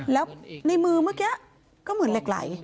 แล้วในมือเมื่อกี้ก็เหมือนเหล็กไหล